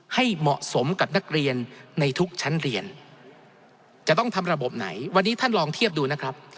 ให้เหมาะสมกับนักเรียนในทุกชั้นเรียนจะต้องทำระบบไหนวันนี้ท่านลองเทียบดูนะครับ